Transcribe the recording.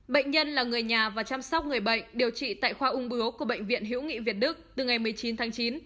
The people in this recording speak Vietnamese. bệnh nhân là người nhà và chăm sóc người bệnh điều trị tại khoa ung bưu của bệnh viện hiễu nghị việt đức từ ngày một mươi chín tháng chín